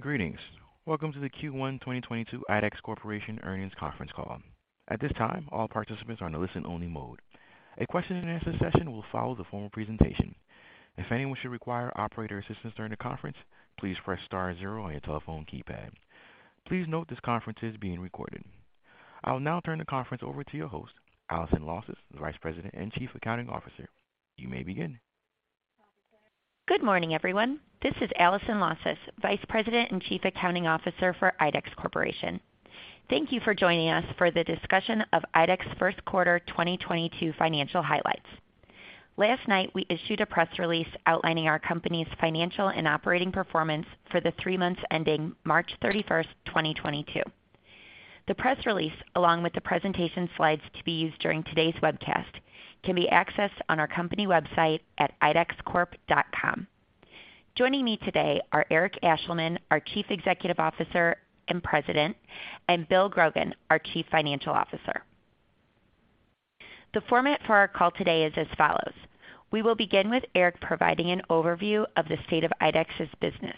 Greetings. Welcome to the Q1 2022 IDEX Corporation Earnings Conference Call. At this time, all participants are in a listen-only mode. A question-and-answer session will follow the formal presentation. If anyone should require operator assistance during the conference, please press star zero on your telephone keypad. Please note this conference is being recorded. I'll now turn the conference over to your host, Allison Lausas, the Vice President and Chief Accounting Officer. You may begin. Good morning, everyone. This is Allison Lausas, Vice President and Chief Accounting Officer for IDEX Corporation. Thank you for joining us for the discussion of IDEX first quarter 2022 financial highlights. Last night, we issued a press release outlining our company's financial and operating performance for the three months ending March 31, 2022. The press release, along with the presentation slides to be used during today's webcast, can be accessed on our company website at idexcorp.com. Joining me today are Eric Ashleman, our Chief Executive Officer and President, and Bill Grogan, our Chief Financial Officer. The format for our call today is as follows. We will begin with Eric providing an overview of the state of IDEX's business.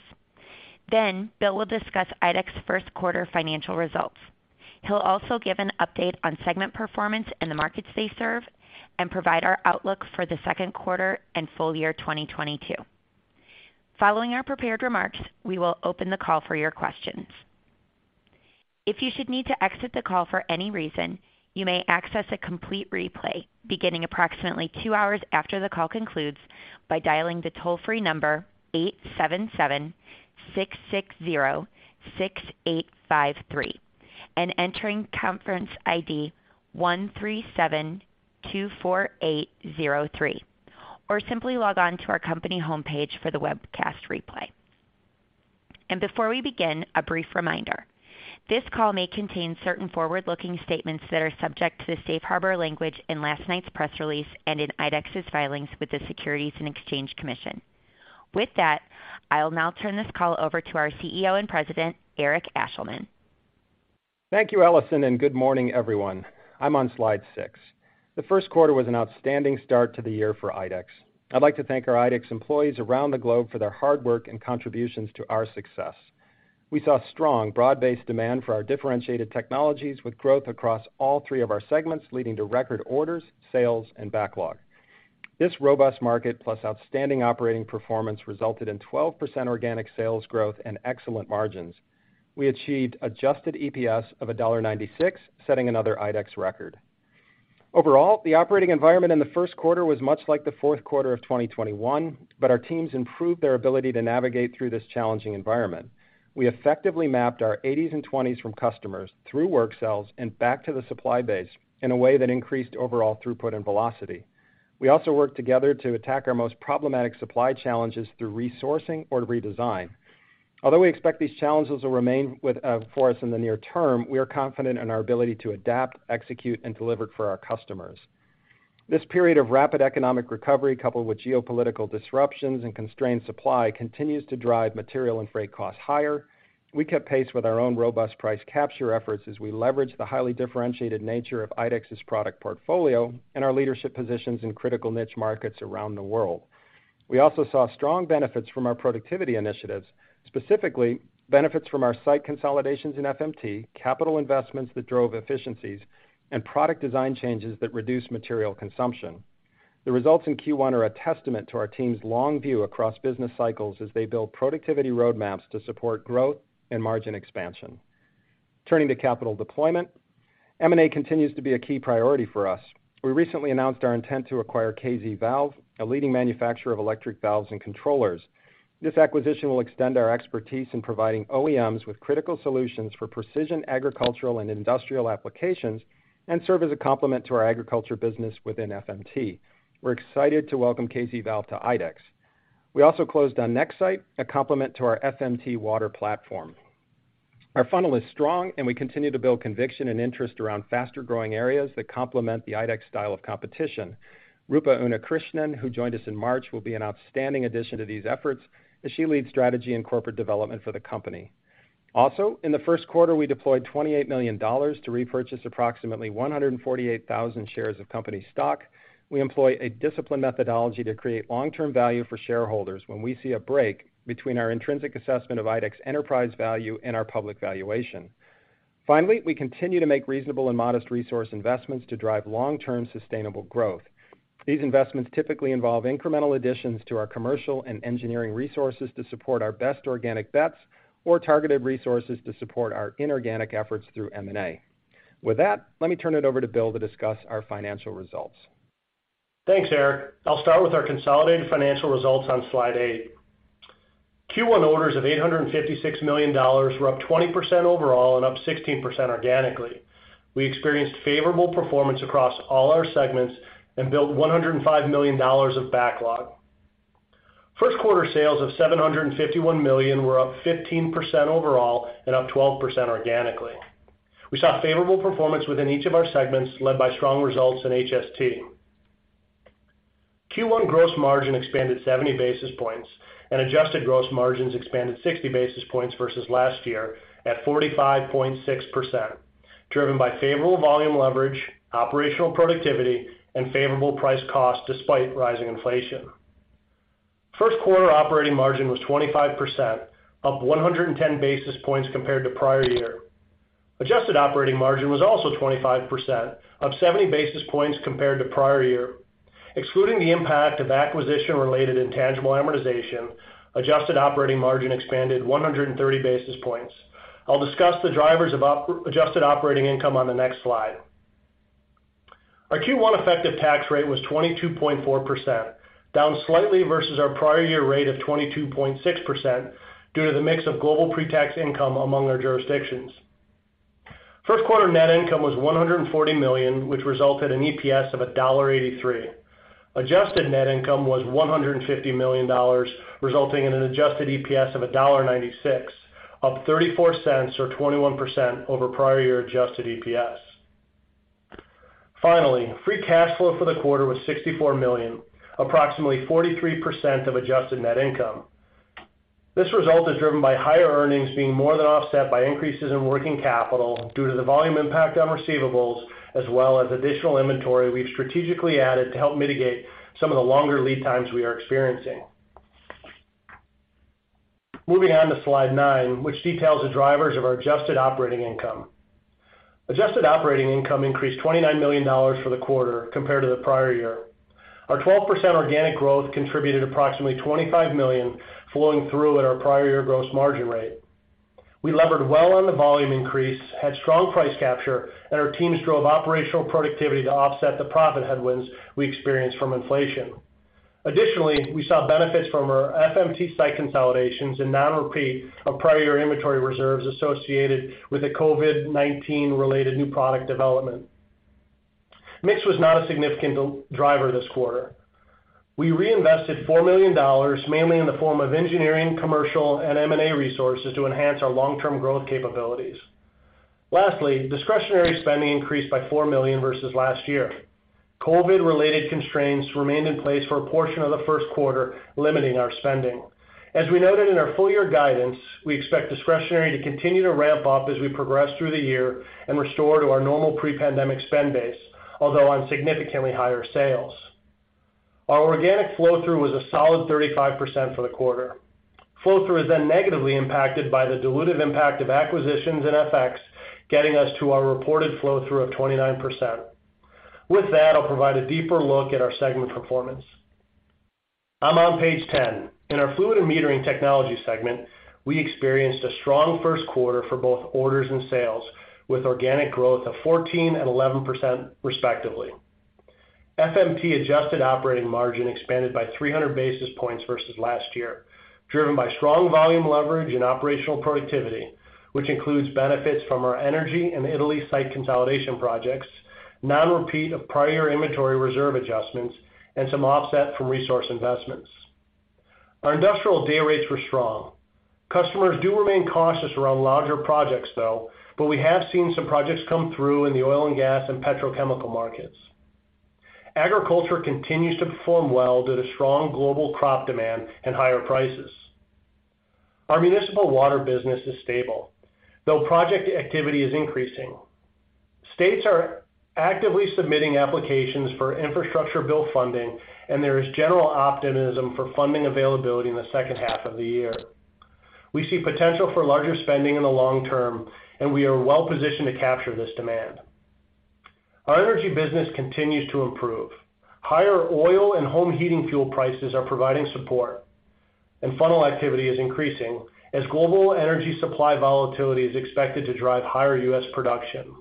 Then Bill will discuss IDEX first quarter financial results. He'll also give an update on segment performance in the markets they serve and provide our outlook for the second quarter and full year 2022. Following our prepared remarks, we will open the call for your questions. If you should need to exit the call for any reason, you may access a complete replay beginning approximately two hours after the call concludes by dialing the toll-free number 877-660-6853 and entering conference ID 13724803, or simply log on to our company homepage for the webcast replay. Before we begin, a brief reminder. This call may contain certain forward-looking statements that are subject to the safe harbor language in last night's press release and in IDEX's filings with the Securities and Exchange Commission. With that, I'll now turn this call over to our CEO and President, Eric Ashleman. Thank you, Allison, and good morning, everyone. I'm on slide six. The first quarter was an outstanding start to the year for IDEX. I'd like to thank our IDEX employees around the globe for their hard work and contributions to our success. We saw strong broad-based demand for our differentiated technologies with growth across all three of our segments, leading to record orders, sales and backlog. This robust market plus outstanding operating performance resulted in 12% organic sales growth and excellent margins. We achieved adjusted EPS of $1.96, setting another IDEX record. Overall, the operating environment in the first quarter was much like the fourth quarter of 2021, but our teams improved their ability to navigate through this challenging environment. We effectively mapped our 80s and 20s from customers through work cells and back to the supply base in a way that increased overall throughput and velocity. We also worked together to attack our most problematic supply challenges through resourcing or redesign. Although we expect these challenges will remain with, for us in the near term, we are confident in our ability to adapt, execute, and deliver for our customers. This period of rapid economic recovery, coupled with geopolitical disruptions and constrained supply, continues to drive material and freight costs higher. We kept pace with our own robust price capture efforts as we leverage the highly differentiated nature of IDEX's product portfolio and our leadership positions in critical niche markets around the world. We also saw strong benefits from our productivity initiatives, specifically benefits from our site consolidations in FMT, capital investments that drove efficiencies, and product design changes that reduce material consumption. The results in Q1 are a testament to our team's long view across business cycles as they build productivity roadmaps to support growth and margin expansion. Turning to capital deployment, M&A continues to be a key priority for us. We recently announced our intent to acquire KZValve, a leading manufacturer of electric valves and controllers. This acquisition will extend our expertise in providing OEMs with critical solutions for precision agricultural and industrial applications, and serve as a complement to our agriculture business within FMT. We're excited to welcome KZValve to IDEX. We also closed on Nexsight, a complement to our FMT Water platform. Our funnel is strong, and we continue to build conviction and interest around faster-growing areas that complement the IDEX style of competition. Roopa Unnikrishnan, who joined us in March, will be an outstanding addition to these efforts as she leads strategy and corporate development for the company. Also, in the first quarter, we deployed $28 million to repurchase approximately 148,000 shares of company stock. We employ a disciplined methodology to create long-term value for shareholders when we see a break between our intrinsic assessment of IDEX enterprise value and our public valuation. Finally, we continue to make reasonable and modest resource investments to drive long-term sustainable growth. These investments typically involve incremental additions to our commercial and engineering resources to support our best organic bets or targeted resources to support our inorganic efforts through M&A. With that, let me turn it over to Bill to discuss our financial results. Thanks, Eric. I'll start with our consolidated financial results on slide eight. Q1 orders of $856 million were up 20% overall and up 16% organically. We experienced favorable performance across all our segments and built $105 million of backlog. First quarter sales of $751 million were up 15% overall and up 12% organically. We saw favorable performance within each of our segments, led by strong results in HST. Q1 gross margin expanded 70 basis points, and adjusted gross margins expanded 60 basis points versus last year at 45.6%. Driven by favorable volume leverage, operational productivity, and favorable price cost despite rising inflation. First quarter operating margin was 25%, up 110 basis points compared to prior year. Adjusted operating margin was also 25%, up 70 basis points compared to prior year. Excluding the impact of acquisition-related intangible amortization, adjusted operating margin expanded 130 basis points. I'll discuss the drivers of adjusted operating income on the next slide. Our Q1 effective tax rate was 22.4%, down slightly versus our prior year rate of 22.6% due to the mix of global pretax income among our jurisdictions. First quarter net income was $140 million, which resulted in EPS of $1.83. Adjusted net income was $150 million, resulting in an adjusted EPS of $1.96, up 34 cents or 21% over prior year adjusted EPS. Finally, free cash flow for the quarter was $64 million, approximately 43% of adjusted net income. This result is driven by higher earnings being more than offset by increases in working capital due to the volume impact on receivables, as well as additional inventory we've strategically added to help mitigate some of the longer lead times we are experiencing. Moving on to slide nine, which details the drivers of our adjusted operating income. Adjusted operating income increased $29 million for the quarter compared to the prior year. Our 12% organic growth contributed approximately $25 million flowing through at our prior year gross margin rate. We levered well on the volume increase, had strong price capture, and our teams drove operational productivity to offset the profit headwinds we experienced from inflation. Additionally, we saw benefits from our FMT site consolidations and non-repeat of prior inventory reserves associated with the COVID-19 related new product development. Mix was not a significant driver this quarter. We reinvested $4 million, mainly in the form of engineering, commercial, and M&A resources to enhance our long-term growth capabilities. Lastly, discretionary spending increased by $4 million versus last year. COVID-related constraints remained in place for a portion of the first quarter, limiting our spending. As we noted in our full year guidance, we expect discretionary to continue to ramp up as we progress through the year and restore to our normal pre-pandemic spend base, although on significantly higher sales. Our organic flow-through was a solid 35% for the quarter. Flow-through is then negatively impacted by the dilutive impact of acquisitions and FX getting us to our reported flow-through of 29%. With that, I'll provide a deeper look at our segment performance. I'm on page 10. In our Fluid and Metering Technologies segment, we experienced a strong first quarter for both orders and sales with organic growth of 14% and 11%, respectively. FMT adjusted operating margin expanded by 300 basis points versus last year, driven by strong volume leverage and operational productivity, which includes benefits from our energy and Italy site consolidation projects, non-repeat of prior inventory reserve adjustments, and some offset from resource investments. Our industrial day rates were strong. Customers do remain cautious around larger projects though, but we have seen some projects come through in the oil and gas and petrochemical markets. Agriculture continues to perform well due to strong global crop demand and higher prices. Our municipal water business is stable, though project activity is increasing. States are actively submitting applications for infrastructure bill funding, and there is general optimism for funding availability in the H2 of the year. We see potential for larger spending in the long term, and we are well-positioned to capture this demand. Our energy business continues to improve. Higher oil and home heating fuel prices are providing support and funnel activity is increasing as global energy supply volatility is expected to drive higher U.S. production.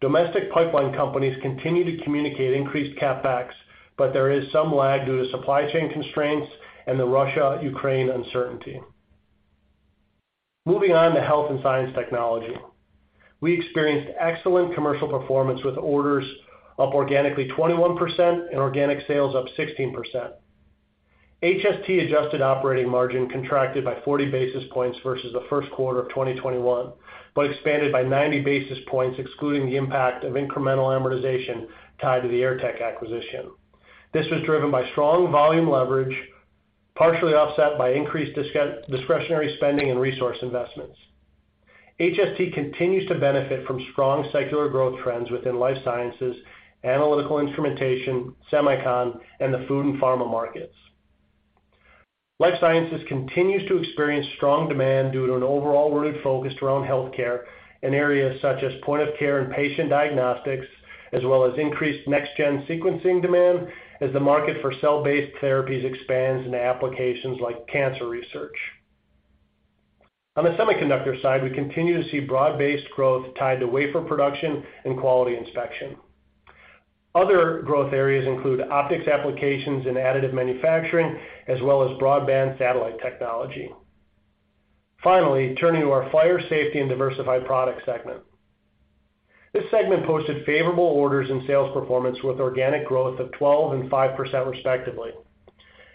Domestic pipeline companies continue to communicate increased CapEx, but there is some lag due to supply chain constraints and the Russia-Ukraine uncertainty. Moving on to Health and Science Technologies. We experienced excellent commercial performance with orders up organically 21% and organic sales up 16%. HST adjusted operating margin contracted by 40 basis points versus the first quarter of 2021, but expanded by 90 basis points excluding the impact of incremental amortization tied to the Airtech acquisition. This was driven by strong volume leverage, partially offset by increased discretionary spending and resource investments. HST continues to benefit from strong secular growth trends within life sciences, analytical instrumentation, semiconductor, and the food and pharma markets. Life sciences continues to experience strong demand due to an overall rooted focus around healthcare in areas such as point of care and patient diagnostics, as well as increased next-generation sequencing demand as the market for cell-based therapies expands into applications like cancer research. On the semiconductor side, we continue to see broad-based growth tied to wafer production and quality inspection. Other growth areas include optics applications and additive manufacturing, as well as broadband satellite technology. Finally, turning to our Fire & Safety and Diversified Products segment. This segment posted favorable orders and sales performance with organic growth of 12% and 5%, respectively.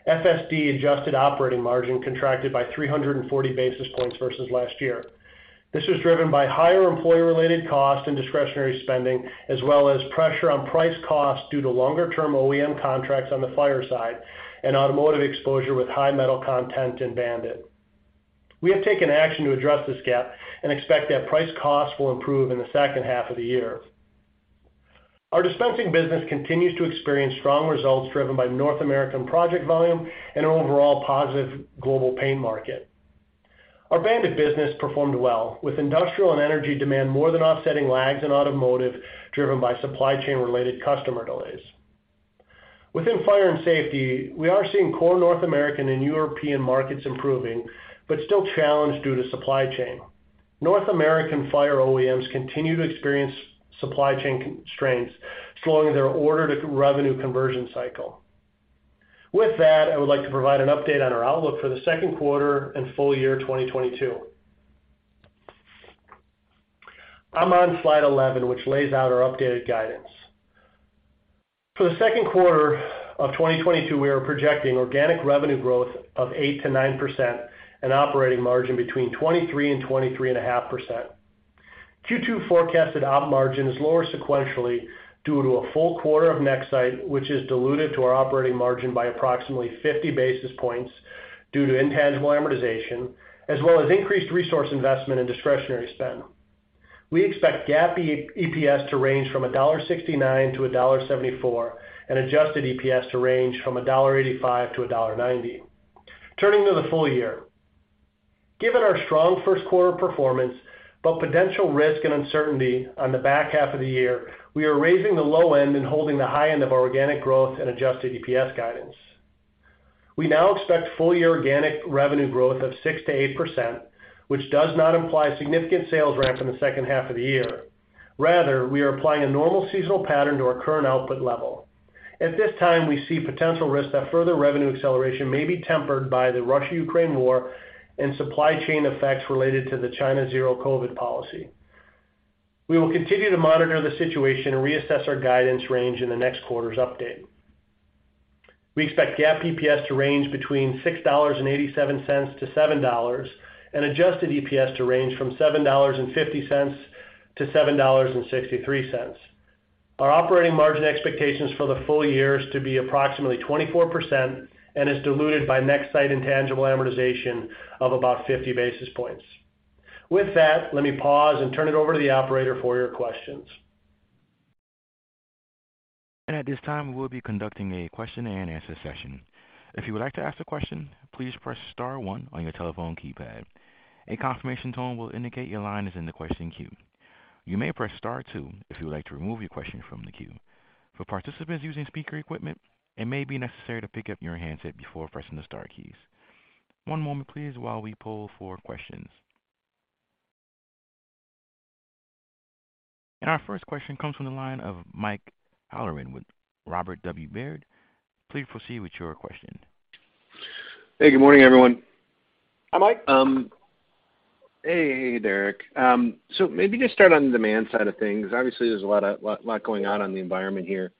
FSD adjusted operating margin contracted by 340 basis points versus last year. This was driven by higher employee-related costs and discretionary spending, as well as pressure on price costs due to longer-term OEM contracts on the fire side and automotive exposure with high metal content in BAND-IT. We have taken action to address this gap and expect that price cost will improve in the second half of the year. Our dispensing business continues to experience strong results driven by North American project volume and overall positive global paint market. Our BAND-IT business performed well, with industrial and energy demand more than offsetting lags in automotive, driven by supply chain related customer delays. Within fire and safety, we are seeing core North American and European markets improving but still challenged due to supply chain. North American fire OEMs continue to experience supply chain constraints, slowing their order to revenue conversion cycle. With that, I would like to provide an update on our outlook for the second quarter and full year 2022. I'm on slide 11, which lays out our updated guidance. For the second quarter of 2022, we are projecting organic revenue growth of 8%-9% and operating margin between 23%-23.5%. Q2 forecasted op margin is lower sequentially due to a full quarter of Nexsight, which is diluted to our operating margin by approximately 50 basis points due to intangible amortization as well as increased resource investment and discretionary spend. We expect GAAP EPS to range from $1.69-$1.74, and adjusted EPS to range from $1.85-$1.90. Turning to the full year. Given our strong first quarter performance but potential risk and uncertainty on the back half of the year, we are raising the low end and holding the high end of our organic growth and adjusted EPS guidance. We now expect full year organic revenue growth of 6%-8%, which does not imply significant sales ramps in the second half of the year. Rather, we are applying a normal seasonal pattern to our current output level. At this time, we see potential risk that further revenue acceleration may be tempered by the Russia-Ukraine war and supply chain effects related to the China zero-COVID policy. We will continue to monitor the situation and reassess our guidance range in the next quarter's update. We expect GAAP EPS to range between $6.87-$7 and adjusted EPS to range from $7.50-$7.63. Our operating margin expectations for the full year is to be approximately 24% and is diluted by Nexsight intangible amortization of about 50 basis points. With that, let me pause and turn it over to the operator for your questions. At this time, we'll be conducting a question and answer session. If you would like to ask a question, please press star one on your telephone keypad. A confirmation tone will indicate your line is in the question queue. You may press star two if you would like to remove your question from the queue. For participants using speaker equipment, it may be necessary to pick up your handset before pressing the star keys. One moment please while we pull for questions. Our first question comes from the line of Mike Halloran with Robert W. Baird. Please proceed with your question. Hey, good morning, everyone. Hi, Mike. Hey, Derek. Maybe just start on demand side of things. Obviously, there's a lot going on in the environment here.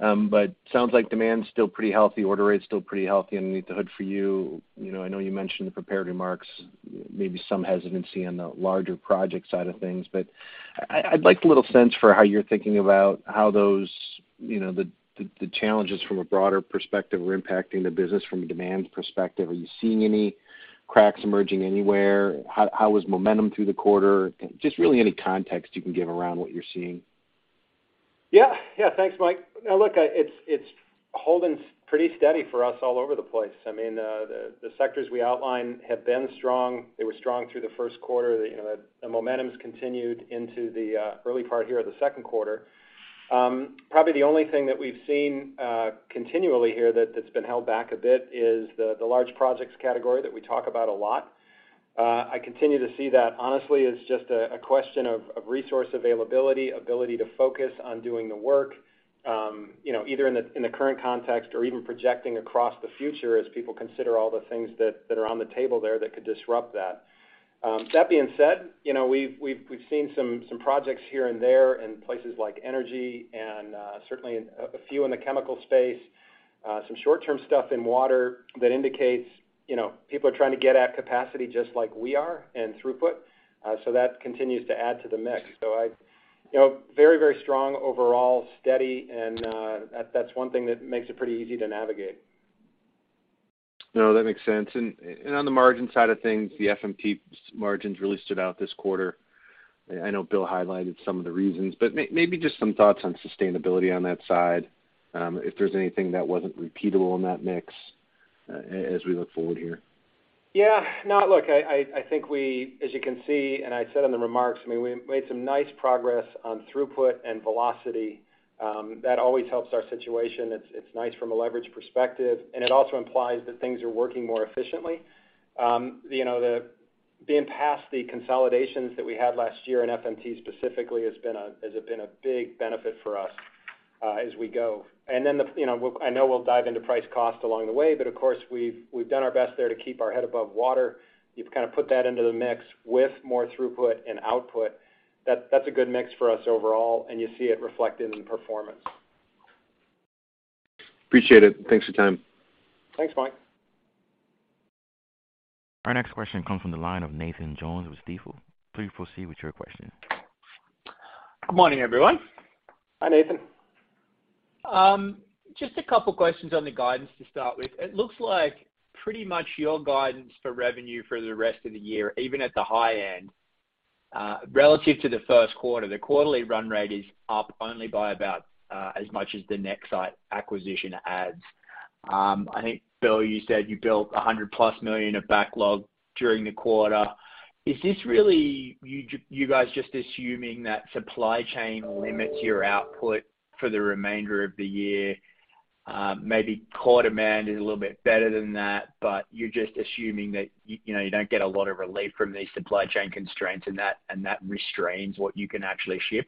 Sounds like demand's still pretty healthy. Order rate's still pretty healthy underneath the hood for you. You know, I know you mentioned the prepared remarks, maybe some hesitancy on the larger project side of things. I'd like a little sense for how you're thinking about how those, you know, the challenges from a broader perspective are impacting the business from a demand perspective. Are you seeing any cracks emerging anywhere? How was momentum through the quarter? Just really any context you can give around what you're seeing. Thanks, Mike. Now look, it's holding pretty steady for us all over the place. I mean, the sectors we outlined have been strong. They were strong through the first quarter. You know, the momentum's continued into the early part here of the second quarter. Probably the only thing that we've seen continually here that's been held back a bit is the large projects category that we talk about a lot. I continue to see that honestly as just a question of resource availability, ability to focus on doing the work, you know, either in the current context or even projecting across the future as people consider all the things that are on the table there that could disrupt that. That being said, you know, we've seen some projects here and there in places like energy and certainly a few in the chemical space, some short-term stuff in water that indicates, you know, people are trying to get at capacity just like we are and throughput. So that continues to add to the mix. You know, very strong overall, steady, and that's one thing that makes it pretty easy to navigate. No, that makes sense. On the margin side of things, the FMT margins really stood out this quarter. I know Bill highlighted some of the reasons, but maybe just some thoughts on sustainability on that side, if there's anything that wasn't repeatable in that mix as we look forward here. Yeah. No, look, I think, as you can see, and I said on the remarks, I mean, we made some nice progress on throughput and velocity. That always helps our situation. It's nice from a leverage perspective, and it also implies that things are working more efficiently. You know, being past the consolidations that we had last year in FMT specifically has been a big benefit for us as we go. You know, I know we'll dive into price cost along the way, but of course, we've done our best there to keep our head above water. You've kind of put that into the mix with more throughput and output. That's a good mix for us overall, and you see it reflected in the performance. Appreciate it. Thanks for your time. Thanks, Mike. Our next question comes from the line of Nathan Jones with Stifel. Please proceed with your question. Good morning, everyone. Hi, Nathan. Just a couple questions on the guidance to start with. It looks like pretty much your guidance for revenue for the rest of the year, even at the high end, relative to the first quarter, the quarterly run rate is up only by about as much as the Nexsight acquisition adds. I think, Bill, you said you built $100+ million of backlog during the quarter. Is this really you guys just assuming that supply chain limits your output for the remainder of the year? Maybe core demand is a little bit better than that, but you're just assuming that you know, you don't get a lot of relief from these supply chain constraints and that restrains what you can actually ship.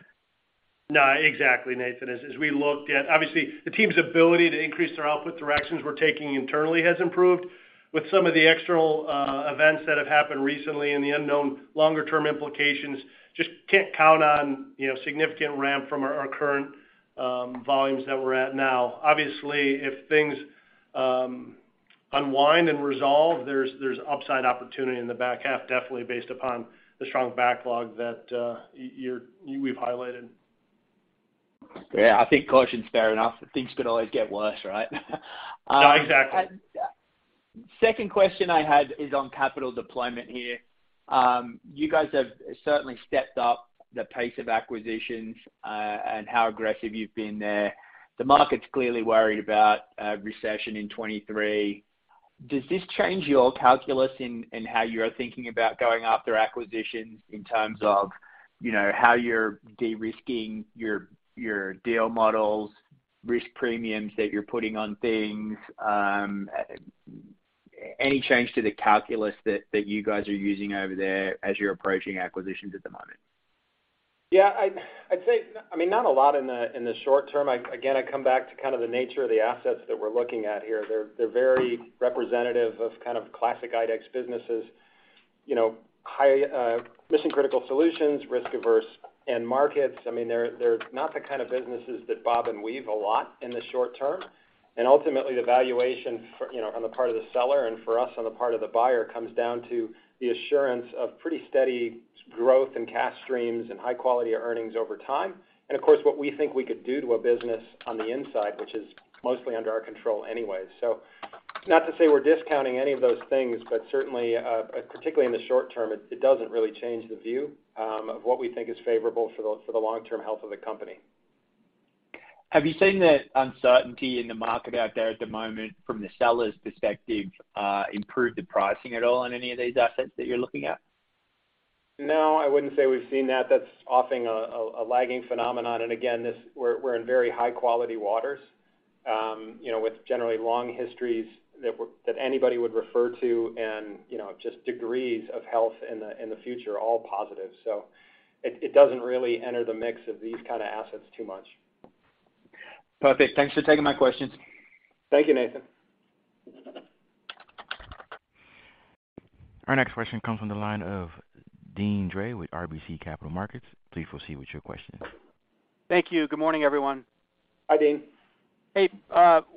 No, exactly, Nathan. As we looked at, obviously, the team's ability to increase their output directions we're taking internally has improved. With some of the external events that have happened recently and the unknown longer term implications, just can't count on, you know, significant ramp from our current volumes that we're at now. Obviously, if things unwind and resolve, there's upside opportunity in the back half, definitely based upon the strong backlog that we've highlighted. Yeah. I think caution's fair enough. Things could always get worse, right? No, exactly. Second question I had is on capital deployment here. You guys have certainly stepped up the pace of acquisitions, and how aggressive you've been there. The market's clearly worried about a recession in 2023. Does this change your calculus in how you are thinking about going after acquisitions in terms of, you know, how you're de-risking your deal models, risk premiums that you're putting on things? Any change to the calculus that you guys are using over there as you're approaching acquisitions at the moment? Yeah. I'd say. I mean, not a lot in the short term. Again, I come back to kind of the nature of the assets that we're looking at here. They're very representative of kind of classic IDEX businesses. You know, high mission-critical solutions, risk-averse end markets. I mean, they're not the kind of businesses that bob and weave a lot in the short term. Ultimately, the valuation, you know, on the part of the seller and for us on the part of the buyer, comes down to the assurance of pretty steady growth and cash streams and high quality of earnings over time. Of course, what we think we could do to a business on the inside, which is mostly under our control anyways. Not to say we're discounting any of those things, but certainly, particularly in the short term, it doesn't really change the view of what we think is favorable for the long-term health of the company. Have you seen the uncertainty in the market out there at the moment from the seller's perspective, improve the pricing at all on any of these assets that you're looking at? No, I wouldn't say we've seen that. That's often a lagging phenomenon. Again, this, we're in very high quality waters, you know, with generally long histories that anybody would refer to and, you know, just degrees of health in the future, all positive. It doesn't really enter the mix of these kind of assets too much. Perfect. Thanks for taking my questions. Thank you, Nathan. Our next question comes from the line of Deane Dray with RBC Capital Markets. Please proceed with your question. Thank you. Good morning, everyone. Hi, Deane. Hey.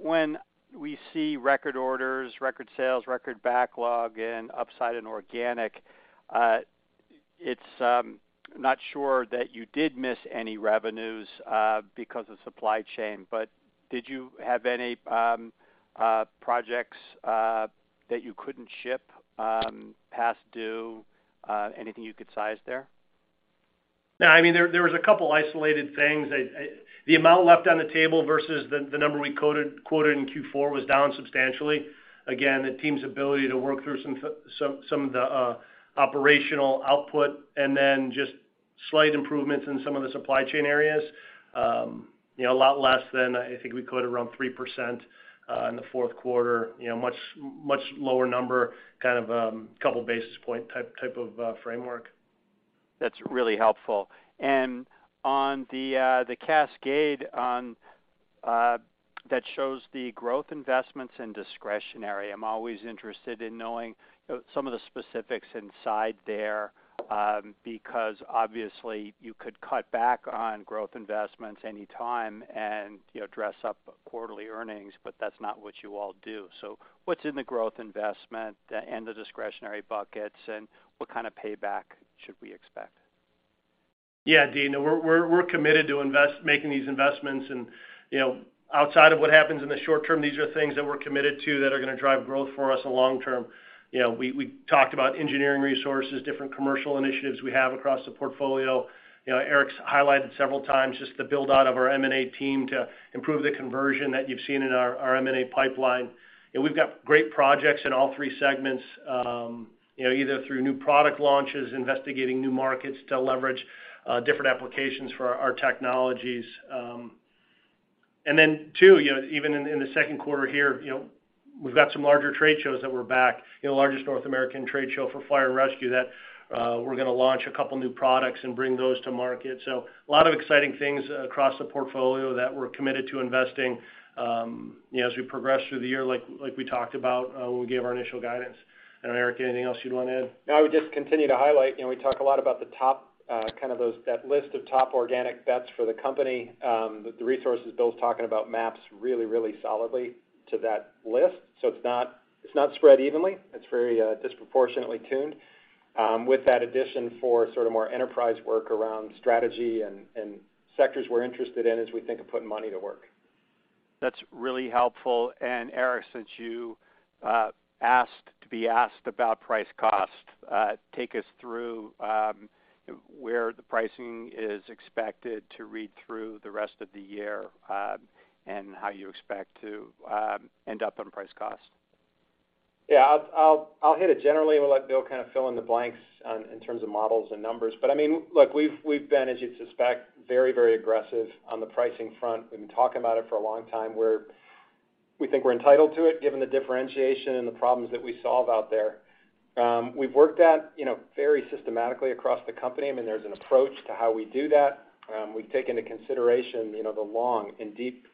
When we see record orders, record sales, record backlog, and upside in organic, I'm not sure that you did miss any revenues because of supply chain, but did you have any projects that you couldn't ship past due, anything you could size there? No, I mean, there was a couple isolated things. The amount left on the table versus the number we quoted in Q4 was down substantially. Again, the team's ability to work through some of the operational output and then just slight improvements in some of the supply chain areas, you know, a lot less than I think we quoted, around 3%, in the fourth quarter. You know, much lower number, kind of, couple basis point type of framework. That's really helpful. On the cascade that shows the growth investments in discretionary, I'm always interested in knowing some of the specifics inside there, because obviously you could cut back on growth investments any time and, you know, dress up quarterly earnings, but that's not what you all do. What's in the growth investment and the discretionary buckets, and what kind of payback should we expect? Yeah, Deane. No, we're committed to making these investments and, you know, outside of what happens in the short term, these are things that we're committed to that are gonna drive growth for us in long term. You know, we talked about engineering resources, different commercial initiatives we have across the portfolio. You know, Eric's highlighted several times just the build out of our M&A team to improve the conversion that you've seen in our M&A pipeline. We've got great projects in all three segments, you know, either through new product launches, investigating new markets to leverage, different applications for our technologies. And then two, you know, even in the second quarter here, you know, we've got some larger trade shows that we're back. You know, the largest North American trade show for fire and rescue that we're gonna launch a couple new products and bring those to market. A lot of exciting things across the portfolio that we're committed to investing, you know, as we progress through the year, like we talked about, when we gave our initial guidance. I don't know, Eric, anything else you'd want to add? No, I would just continue to highlight. You know, we talk a lot about the top, kind of that list of top organic bets for the company, that the resources Bill's talking about maps really, really solidly to that list. It's not, it's not spread evenly. It's very, disproportionately tuned, with that addition for sort of more enterprise work around strategy and sectors we're interested in as we think of putting money to work. That's really helpful. Eric, since you asked to be asked about price cost, take us through where the pricing is expected to read through the rest of the year, and how you expect to end up on price cost. Yeah, I'll hit it generally and let Bill kind of fill in the blanks on in terms of models and numbers. I mean, look, we've been, as you'd suspect, very, very aggressive on the pricing front. We've been talking about it for a long time. We think we're entitled to it given the differentiation and the problems that we solve out there. We've worked at, you know, very systematically across the company. I mean, there's an approach to how we do that. We take into consideration, you know, the long and deep,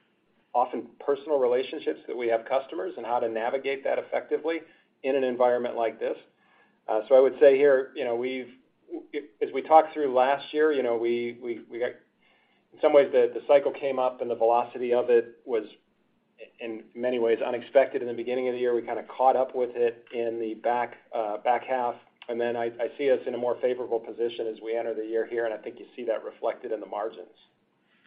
often personal relationships that we have with customers and how to navigate that effectively in an environment like this. I would say here, you know, as we talked through last year, you know, we got in some ways the cycle came up and the velocity of it was in many ways unexpected in the beginning of the year. We kinda caught up with it in the back half. I see us in a more favorable position as we enter the year here, and I think you see that reflected in the margins.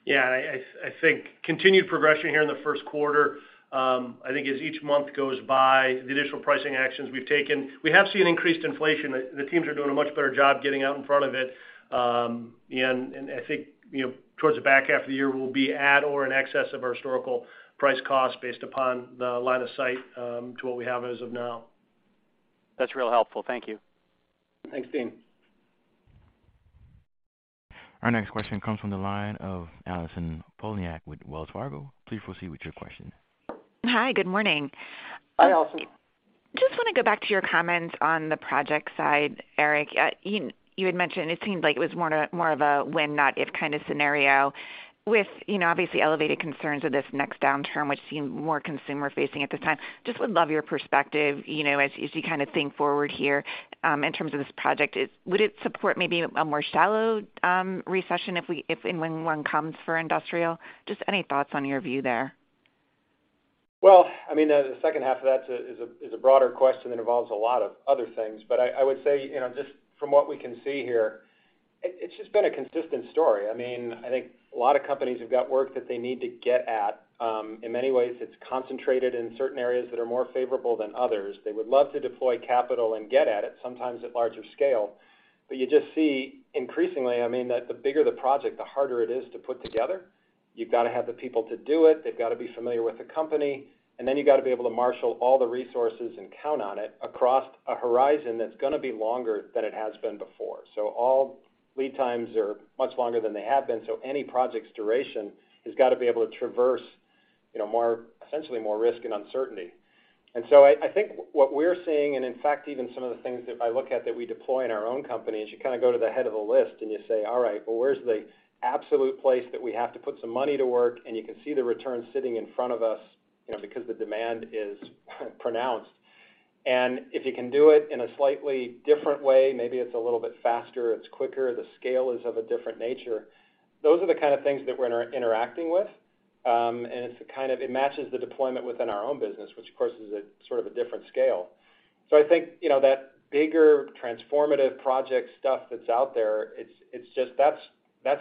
Yeah. I think continued progression here in the first quarter. I think as each month goes by, the additional pricing actions we've taken. We have seen increased inflation. The teams are doing a much better job getting out in front of it. I think, you know, towards the back half of the year, we'll be at or in excess of our historical price cost based upon the line of sight to what we have as of now. That's real helpful. Thank you. Thanks, Deane. Our next question comes from the line of Allison Poliniak with Wells Fargo. Please proceed with your question. Hi. Good morning. Hi, Allison. Just wanna go back to your comments on the project side, Eric. You had mentioned it seemed like it was more of a when not if kind of scenario with, you know, obviously elevated concerns of this next downturn, which seem more consumer-facing at this time. Just would love your perspective, you know, as you kind of think forward here, in terms of this project. Would it support maybe a more shallow recession if and when one comes for industrial? Just any thoughts on your view there. Well, I mean, the second half of that is a broader question that involves a lot of other things. I would say, you know, just from what we can see here, it's just been a consistent story. I mean, I think a lot of companies have got work that they need to get at. In many ways, it's concentrated in certain areas that are more favorable than others. They would love to deploy capital and get at it, sometimes at larger scale. You just see increasingly, I mean, that the bigger the project, the harder it is to put together. You've gotta have the people to do it. They've gotta be familiar with the company. Then you've gotta be able to marshal all the resources and count on it across a horizon that's gonna be longer than it has been before. All lead times are much longer than they have been, so any project's duration has gotta be able to traverse, you know, more risk and uncertainty. I think what we're seeing, and in fact even some of the things that I look at that we deploy in our own company, is you kinda go to the head of the list and you say, all right, well, where's the absolute place that we have to put some money to work, and you can see the return sitting in front of us, you know, because the demand is pronounced. If you can do it in a slightly different way, maybe it's a little bit faster, it's quicker, the scale is of a different nature, those are the kind of things that we're interacting with. It matches the deployment within our own business, which of course is a sort of a different scale. I think, you know, that bigger transformative project stuff that's out there, it's just that's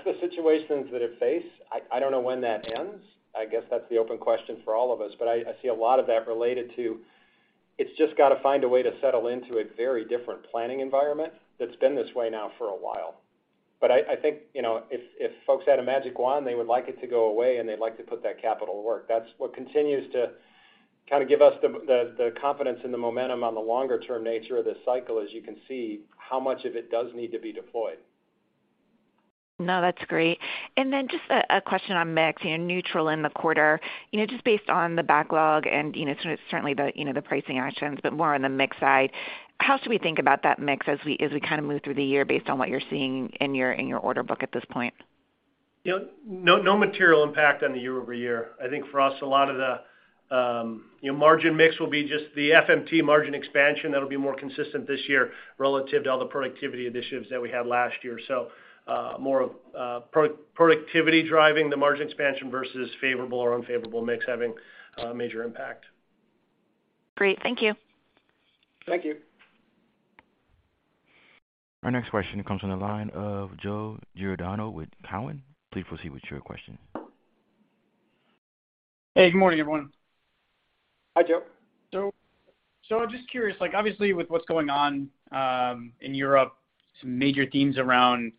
the situations that it face. I don't know when that ends. I guess that's the open question for all of us. I see a lot of that related to it. It's just gotta find a way to settle into a very different planning environment that's been this way now for a while. I think, you know, if folks had a magic wand, they would like it to go away, and they'd like to put that capital to work. That's what continues to kinda give us the confidence and the momentum on the longer term nature of this cycle as you can see how much of it does need to be deployed. No, that's great. Just a question on mix. You know, neutral in the quarter. You know, just based on the backlog and, you know, certainly the, you know, the pricing actions, but more on the mix side, how should we think about that mix as we kind of move through the year based on what you're seeing in your order book at this point? You know, no material impact on the year-over-year. I think for us, a lot of the, you know, margin mix will be just the FMT margin expansion that'll be more consistent this year relative to all the productivity initiatives that we had last year. More of, productivity driving the margin expansion versus favorable or unfavorable mix having a major impact. Great. Thank you. Thank you. Our next question comes from the line of Joe Giordano with Cowen. Please proceed with your question. Hey, good morning, everyone. Hi, Joe. I'm just curious, like, obviously, with what's going on in Europe, some major themes around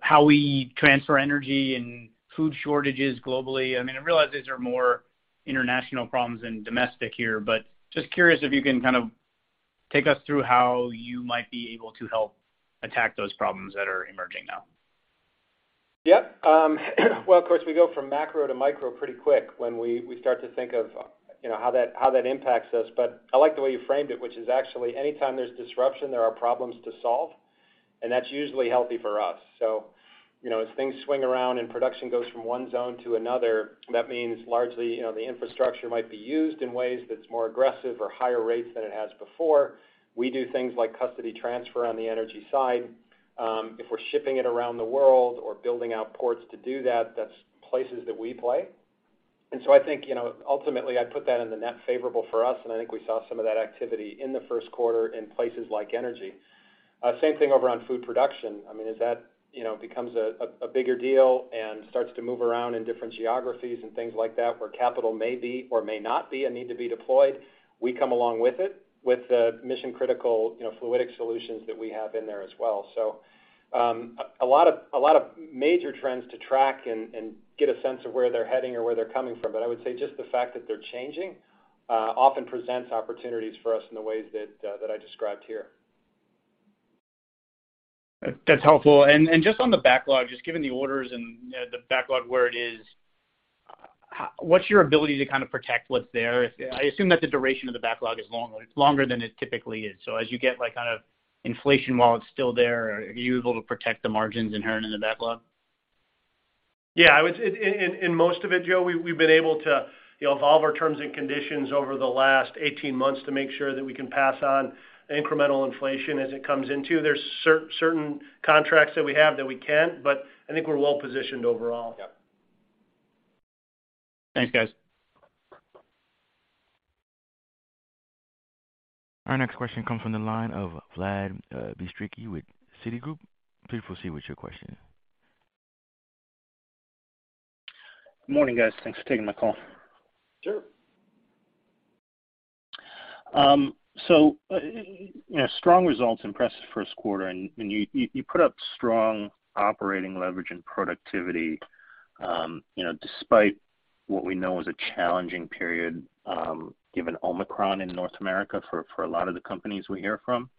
how we transfer energy and food shortages globally. I mean, I realize these are more international problems than domestic here, but just curious if you can kind of take us through how you might be able to help attack those problems that are emerging now. Yep. Well, of course, we go from macro to micro pretty quick when we start to think of, you know, how that impacts us. I like the way you framed it, which is actually anytime there's disruption, there are problems to solve, and that's usually healthy for us. You know, as things swing around and production goes from one zone to another, that means largely, you know, the infrastructure might be used in ways that's more aggressive or higher rates than it has before. We do things like custody transfer on the energy side. If we're shipping it around the world or building out ports to do that's places that we play. I think, you know, ultimately, I put that in the net favorable for us, and I think we saw some of that activity in the first quarter in places like energy. Same thing over on food production. I mean, as that, you know, becomes a bigger deal and starts to move around in different geographies and things like that where capital may be or may not be a need to be deployed, we come along with it with the mission-critical, you know, fluidic solutions that we have in there as well. A lot of major trends to track and get a sense of where they're heading or where they're coming from. I would say just the fact that they're changing often presents opportunities for us in the ways that I described here. That's helpful. Just on the backlog, just given the orders and the backlog where it is, what's your ability to kind of protect what's there? I assume that the duration of the backlog is longer than it typically is. As you get like kind of inflation while it's still there, are you able to protect the margins inherent in the backlog? In most of it, Joe, we've been able to, you know, evolve our terms and conditions over the last 18 months to make sure that we can pass on incremental inflation as it comes into. There's certain contracts that we have that we can, but I think we're well positioned overall. Yep. Thanks, guys. Our next question comes from the line of Vlad Bystricky with Citigroup. Please proceed with your question. Good morning, guys. Thanks for taking my call. Sure. You know, strong results, impressive first quarter, and you put up strong operating leverage and productivity, you know, despite what we know is a challenging period, given Omicron in North America for a lot of the companies we hear from.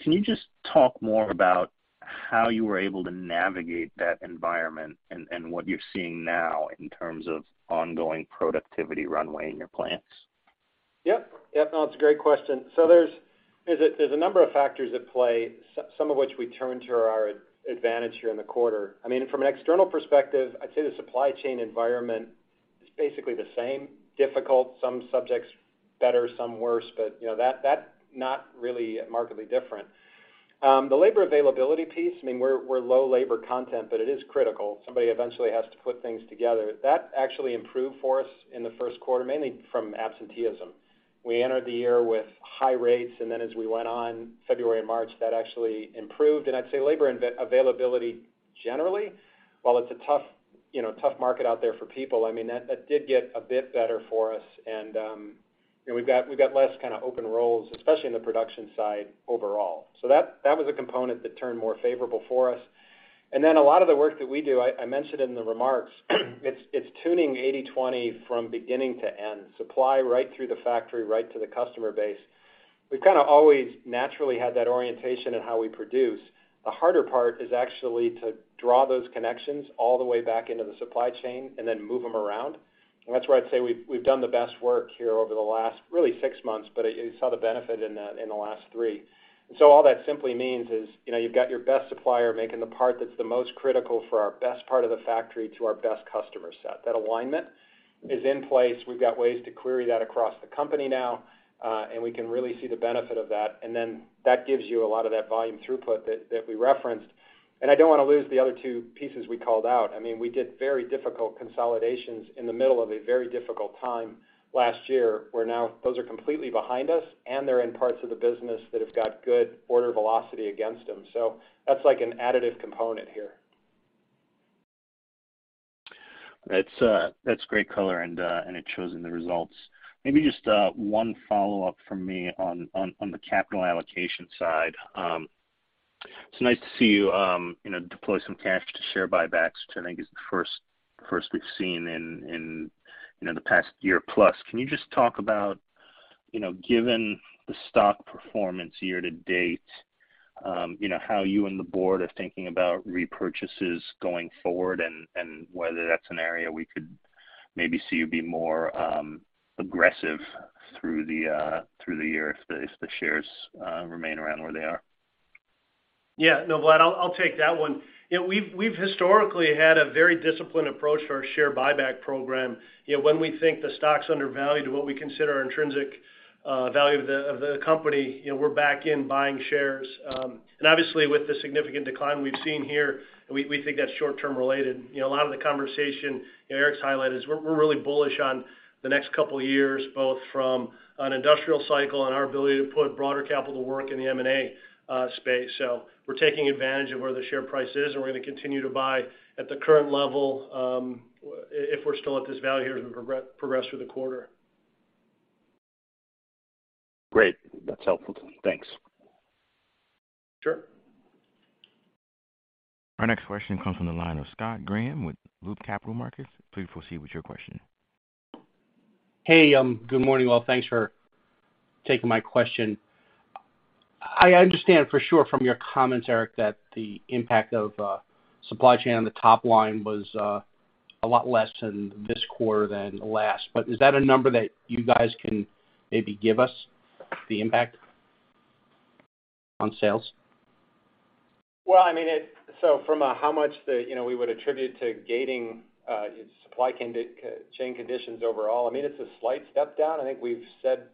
Can you just talk more about how you were able to navigate that environment and what you're seeing now in terms of ongoing productivity runway in your plants? Yep. No, it's a great question. There's a number of factors at play, some of which we turn to our advantage here in the quarter. I mean, from an external perspective, I'd say the supply chain environment is basically the same, difficult, some aspects better, some worse, but you know, that's not really markedly different. The labor availability piece, I mean, we're low labor content, but it is critical. Somebody eventually has to put things together. That actually improved for us in the first quarter, mainly from absenteeism. We entered the year with high rates, and then as we went into February and March, that actually improved. I'd say labor availability generally, while it's a tough market out there for people, I mean, that did get a bit better for us. We've got less kind of open roles, especially in the production side overall. That was a component that turned more favorable for us. A lot of the work that we do, I mentioned in the remarks, it's tuning 80/20 from beginning to end, supply right through the factory right to the customer base. We've kind of always naturally had that orientation in how we produce. The harder part is actually to draw those connections all the way back into the supply chain and then move them around. That's where I'd say we've done the best work here over the last really six months, but you saw the benefit in the last three. All that simply means is, you know, you've got your best supplier making the part that's the most critical for our best part of the factory to our best customer set. That alignment is in place. We've got ways to query that across the company now, and we can really see the benefit of that. That gives you a lot of that volume throughput that we referenced. I don't want to lose the other two pieces we called out. I mean, we did very difficult consolidations in the middle of a very difficult time last year, where now those are completely behind us, and they're in parts of the business that have got good order velocity against them. That's like an additive component here. That's great color, and it shows in the results. Maybe just one follow-up from me on the capital allocation side. It's nice to see you know, deploy some cash to share buybacks, which I think is the first we've seen in you know the past year plus. Can you just talk about, you know, given the stock performance year to date, you know, how you and the board are thinking about repurchases going forward and whether that's an area we could maybe see you be more aggressive through the year if the shares remain around where they are? Yeah. No, Vlad, I'll take that one. You know, we've historically had a very disciplined approach to our share buyback program. You know, when we think the stock's undervalued to what we consider our intrinsic value of the company, you know, we're back in buying shares. And obviously, with the significant decline we've seen here, we think that's short-term related. You know, a lot of the conversation, you know, Eric's highlighted is we're really bullish on the next couple of years, both from an industrial cycle and our ability to put broader capital to work in the M&A space. We're taking advantage of where the share price is, and we're gonna continue to buy at the current level, if we're still at this value here as we progress through the quarter. Great. That's helpful. Thanks. Sure. Our next question comes from the line of Scott Graham with Loop Capital Markets. Please proceed with your question. Hey, good morning. Well, thanks for taking my question. I understand for sure from your comments, Eric, that the impact of supply chain on the top line was a lot less in this quarter than last. Is that a number that you guys can maybe give us, the impact on sales? So from a how much we would attribute to gating, supply chain conditions overall, I mean, it's a slight step down. I think we've said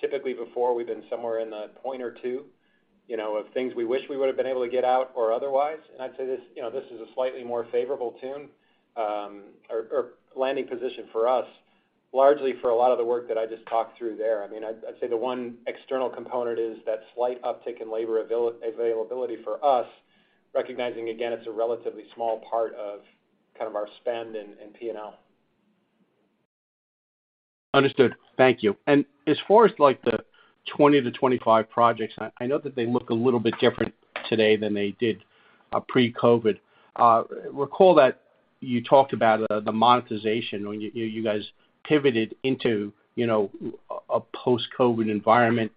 typically before we've been somewhere in the point or two of things we wish we would've been able to get out or otherwise. I'd say this is a slightly more favorable tone or landing position for us. Largely for a lot of the work that I just talked through there. I'd say the one external component is that slight uptick in labor availability for us, recognizing again, it's a relatively small part of kind of our spend in P&L. Understood. Thank you. As far as like the 20-25 projects, I know that they look a little bit different today than they did pre-COVID. Recall that you talked about the monetization when you guys pivoted into, you know, a post-COVID environment.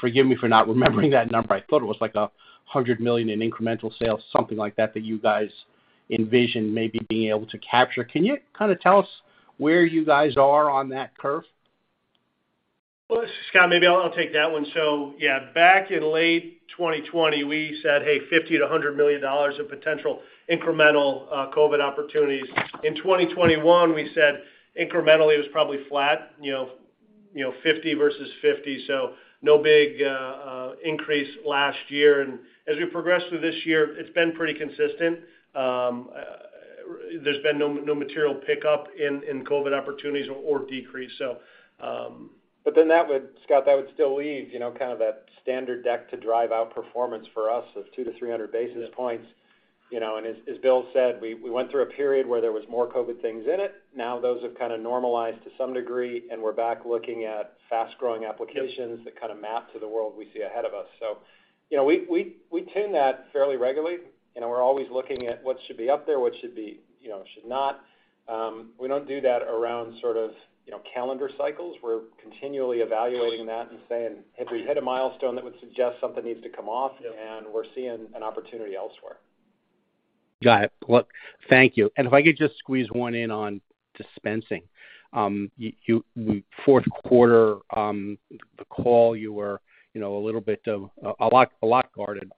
Forgive me for not remembering that number. I thought it was like $100 million in incremental sales, something like that you guys envisioned maybe being able to capture. Can you kinda tell us where you guys are on that curve? Well, Scott, maybe I'll take that one. Yeah, back in late 2020, we said, hey, $50-$100 million of potential incremental COVID opportunities. In 2021, we said incrementally it was probably flat, you know, 50 versus 50, so no big increase last year. As we progress through this year, it's been pretty consistent. There's been no material pickup in COVID opportunities or decrease, so. Scott, that would still leave, you know, kind of that standard deck to drive out performance for us of 200-300 basis points. You know, as Bill said, we went through a period where there was more COVID things in it. Now those have kinda normalized to some degree, and we're back looking at fast-growing applications that kind of map to the world we see ahead of us. You know, we tune that fairly regularly. You know, we're always looking at what should be up there, what should be, you know, should not. We don't do that around sort of, you know, calendar cycles. We're continually evaluating that and saying, have we hit a milestone that would suggest something needs to come off, and we're seeing an opportunity elsewhere. Got it. Look, thank you. If I could just squeeze one in on dispensing. Fourth quarter, the call, you were, you know, a little bit lock guarded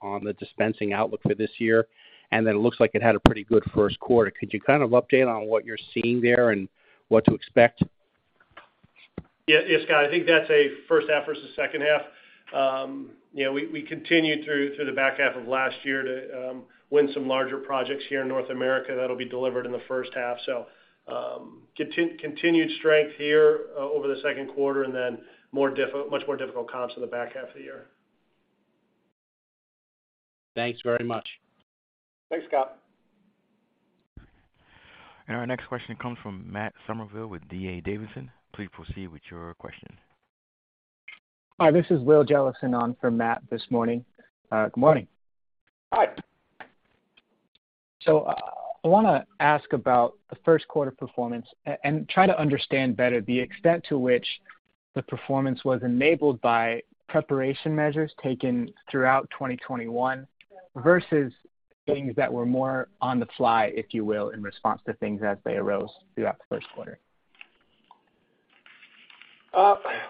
on the dispensing outlook for this year, and then it looks like it had a pretty good first quarter. Could you kind of update on what you're seeing there and what to expect? Yeah. Yeah, Scott, I think that's a first half versus second half. We continued through the back half of last year to win some larger projects here in North America that'll be delivered in the first half. Continued strength here over the second quarter and then much more difficult comps in the back half of the year. Thanks very much. Thanks, Scott. Our next question comes from Matt Summerville with D.A. Davidson. Please proceed with your question. Hi, this is Will Jellison on for Matt this morning. Good morning. Hi. I wanna ask about the first quarter performance and try to understand better the extent to which the performance was enabled by preparation measures taken throughout 2021 versus things that were more on the fly, if you will, in response to things as they arose throughout the first quarter.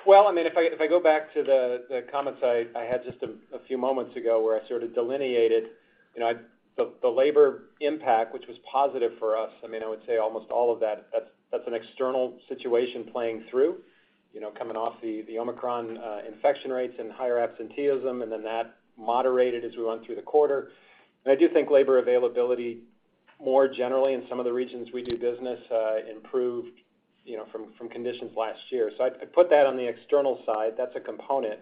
Well, I mean, if I go back to the comments I had just a few moments ago where I sort of delineated, you know, the labor impact, which was positive for us, I mean, I would say almost all of that's an external situation playing through. You know, coming off the Omicron infection rates and higher absenteeism, and then that moderated as we went through the quarter. I do think labor availability, more generally in some of the regions we do business, improved, you know, from conditions last year. So I'd put that on the external side. That's a component.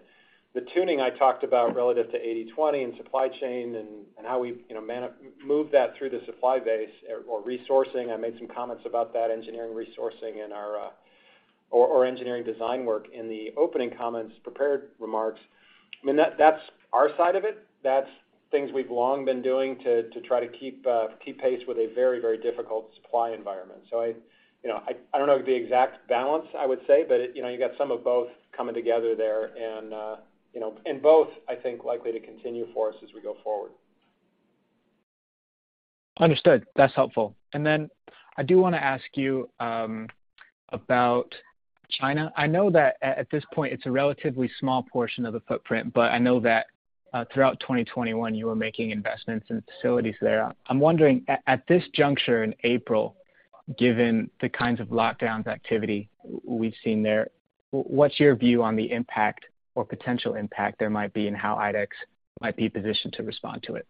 The tuning I talked about relative to 80/20 and supply chain and how we've, you know, moved that through the supply base or resourcing. I made some comments about that engineering resourcing and our engineering design work in the opening comments, prepared remarks. I mean, that's our side of it. That's things we've long been doing to try to keep pace with a very, very difficult supply environment. I, you know, don't know the exact balance, I would say, but you know, you got some of both coming together there and, you know, and both, I think, likely to continue for us as we go forward. Understood. That's helpful. I do wanna ask you about China. I know that at this point it's a relatively small portion of the footprint, but I know that throughout 2021 you were making investments in facilities there. I'm wondering at this juncture in April, given the kinds of lockdown activity we've seen there, what's your view on the impact or potential impact there might be and how IDEX might be positioned to respond to it?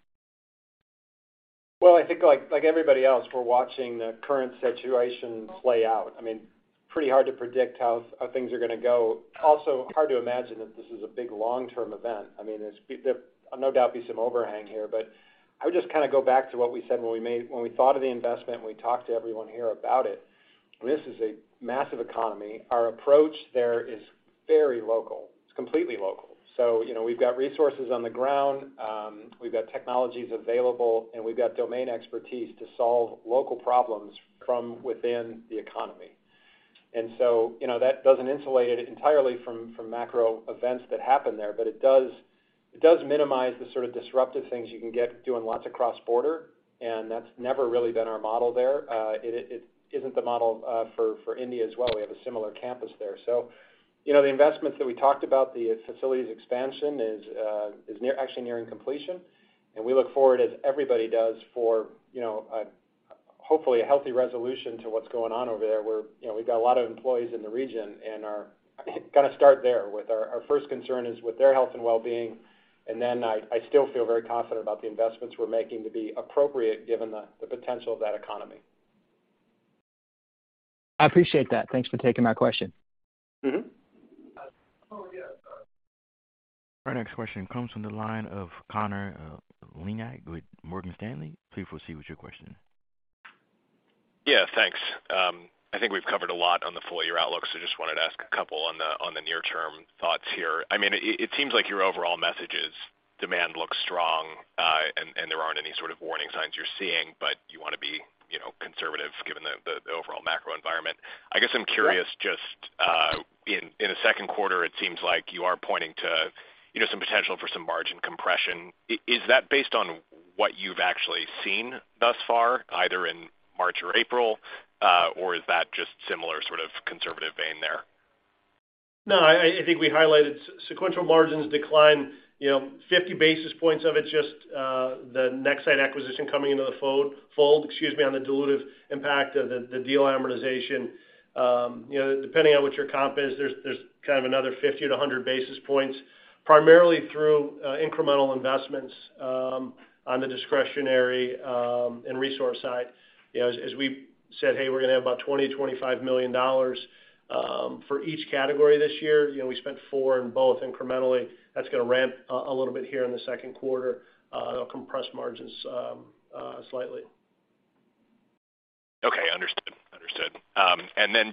Well, I think like everybody else, we're watching the current situation play out. I mean, pretty hard to predict how things are gonna go. Also hard to imagine that this is a big long-term event. I mean, there's no doubt there'll be some overhang here, but I would just kinda go back to what we said when we thought of the investment, when we talked to everyone here about it. This is a massive economy. Our approach there is very local. It's completely local. You know, we've got resources on the ground, we've got technologies available, and we've got domain expertise to solve local problems from within the economy. You know, that doesn't insulate it entirely from macro events that happen there, but it does minimize the sort of disruptive things you can get doing lots of cross-border, and that's never really been our model there. It isn't the model for India as well. We have a similar campus there. You know, the investments that we talked about, the facilities expansion is actually nearing completion, and we look forward, as everybody does, for, you know, a hopefully healthy resolution to what's going on over there where, you know, we've got a lot of employees in the region and are gonna start there. With our first concern is with their health and well-being, and then I still feel very confident about the investments we're making to be appropriate given the potential of that economy. I appreciate that. Thanks for taking my question. Mm-hmm. Our next question comes from the line of Connor Lynagh with Morgan Stanley. Please proceed with your question. Yeah, thanks. I think we've covered a lot on the full year outlook, so just wanted to ask a couple on the near-term thoughts here. I mean, it seems like your overall message is demand looks strong, and there aren't any sort of warning signs you're seeing, but you wanna be, you know, conservative given the overall macro environment. I guess I'm curious, just in the second quarter, it seems like you are pointing to, you know, some potential for some margin compression. Is that based on what you've actually seen thus far, either in March or April, or is that just similar sort of conservative vein there? No, I think we highlighted sequential margins decline, you know, 50 basis points of it just the Nexsight acquisition coming into the fold, excuse me, on the dilutive impact of the deal amortization. You know, depending on what your comp is, there's kind of another 50-100 basis points, primarily through incremental investments on the discretionary and resource side. You know, as we said, hey, we're gonna have about $20-$25 million for each category this year, you know, we spent $4 million in both incrementally. That's gonna ramp a little bit here in the second quarter. It'll compress margins slightly. Okay, understood.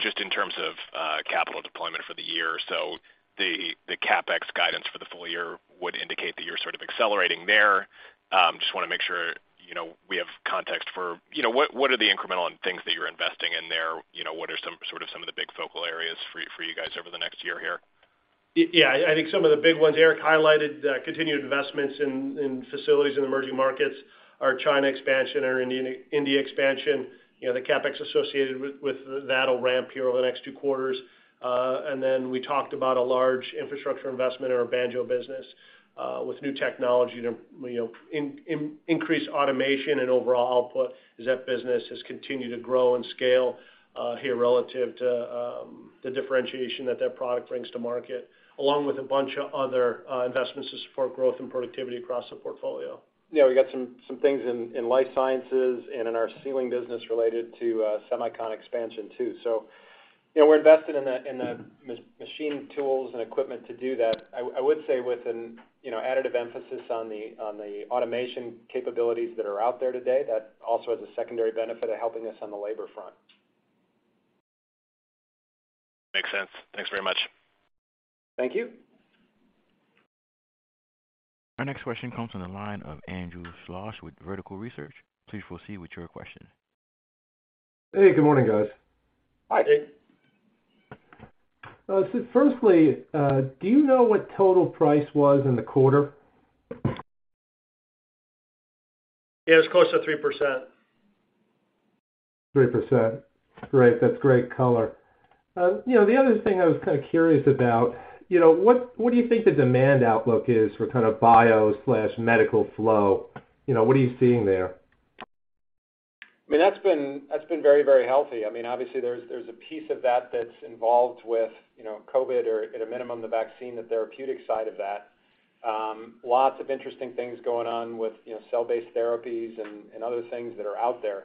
Just in terms of capital deployment for the year. The CapEx guidance for the full year would indicate that you're sort of accelerating there. Just wanna make sure, you know, we have context for, you know, what are the incremental on things that you're investing in there? You know, what are some of the big focal areas for you guys over the next year here? Yeah. I think some of the big ones Eric highlighted, continued investments in facilities in emerging markets, our China expansion, our India expansion. You know, the CapEx associated with that'll ramp here over the next two quarters. Then we talked about a large infrastructure investment in our Banjo business with new technology to you know increase automation and overall output as that business has continued to grow and scale here relative to the differentiation that that product brings to market, along with a bunch of other investments to support growth and productivity across the portfolio. Yeah. We got some things in life sciences and in our sealing business related to semiconductor expansion too. You know, we're invested in the machine tools and equipment to do that. I would say with an additive emphasis on the automation capabilities that are out there today, that also has a secondary benefit of helping us on the labor front. Makes sense. Thanks very much. Thank you. Our next question comes from the line of Jeff Sprague with Vertical Research. Please proceed with your question. Hey, good morning, guys. Hi, Jeff. Do you know what total price was in the quarter? Yeah. It's close to 3%. 3%. Great. That's great color. You know, the other thing I was kind of curious about, you know, what do you think the demand outlook is for kind of biomedical flow? You know, what are you seeing there? I mean, that's been very, very healthy. I mean, obviously, there's a piece of that that's involved with, you know, COVID or at a minimum, the vaccine, the therapeutic side of that. Lots of interesting things going on with, you know, cell-based therapies and other things that are out there.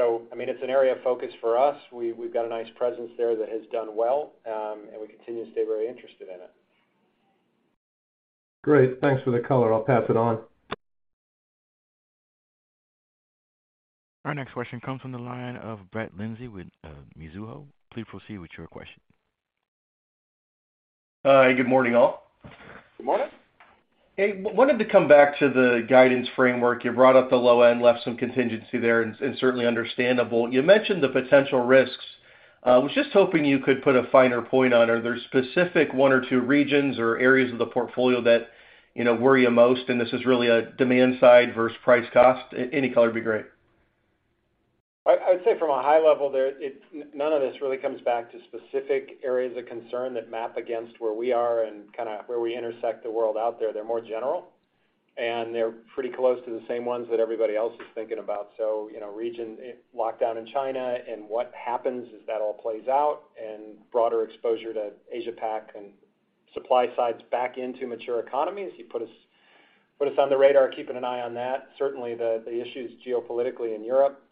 I mean, it's an area of focus for us. We've got a nice presence there that has done well, and we continue to stay very interested in it. Great. Thanks for the color. I'll pass it on. Our next question comes from the line of Brett Linzey with Mizuho. Please proceed with your question. Good morning, all. Good morning. Hey, wanted to come back to the guidance framework. You brought up the low end, left some contingency there, and certainly understandable. You mentioned the potential risks. Was just hoping you could put a finer point on, are there specific one or two regions or areas of the portfolio that, you know, worry you most, and this is really a demand side versus price cost? Any color would be great. I'd say from a high level there, it, none of this really comes back to specific areas of concern that map against where we are and kind of where we intersect the world out there. They're more general, and they're pretty close to the same ones that everybody else is thinking about. You know, regional lockdown in China and what happens as that all plays out and broader exposure to Asia Pac and supply chains back into mature economies. You put us on the radar, keeping an eye on that. Certainly, the issues geopolitically in Europe.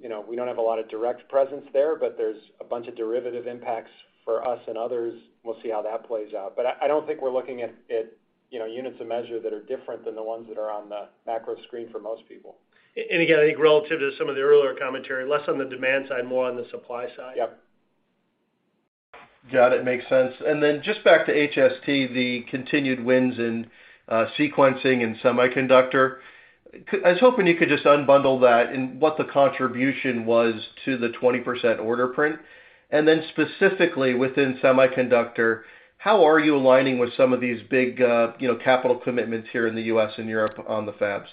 You know, we don't have a lot of direct presence there, but there's a bunch of derivative impacts for us and others. We'll see how that plays out. I don't think we're looking at, you know, units of measure that are different than the ones that are on the macro screen for most people. Again, I think relative to some of the earlier commentary, less on the demand side, more on the supply side. Yep. Got it. Makes sense. Just back to HST, the continued wins in sequencing and semiconductor. I was hoping you could just unbundle that and what the contribution was to the 20% order print. Specifically within semiconductor, how are you aligning with some of these big, you know, capital commitments here in the U.S. and Europe on the fabs?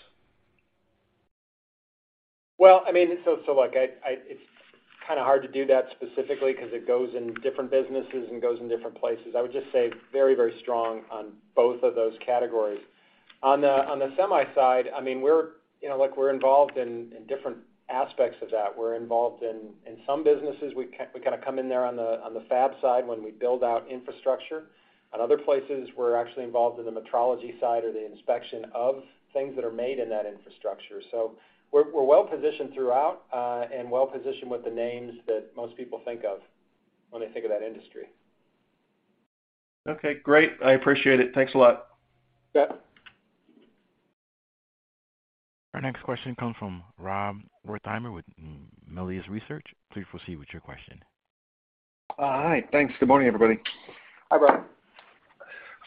Well, I mean, look, it's kind of hard to do that specifically 'cause it goes in different businesses and goes in different places. I would just say very, very strong on both of those categories. On the semi side, I mean, we're, you know, look, we're involved in different aspects of that. We're involved in some businesses, we kind of come in there on the fab side when we build out infrastructure. On other places, we're actually involved in the metrology side or the inspection of things that are made in that infrastructure. So we're well positioned throughout, and well positioned with the names that most people think of when they think of that industry. Okay, great. I appreciate it. Thanks a lot. Yep. Our next question comes from Rob Wertheimer with Melius Research. Please proceed with your question. Hi. Thanks. Good morning, everybody. Hi,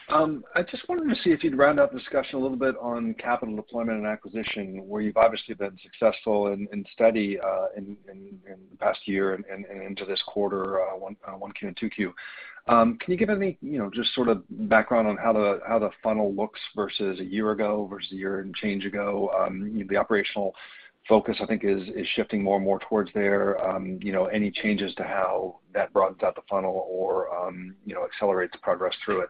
Rob. I just wanted to see if you'd round out the discussion a little bit on capital deployment and acquisition, where you've obviously been successful and steady in the past year and into this quarter, 1Q and 2Q. Can you give any, you know, just sort of background on how the funnel looks versus a year ago, versus a year and change ago? The operational focus, I think is shifting more and more towards there. You know, any changes to how that broadens out the funnel or, you know, accelerates progress through it?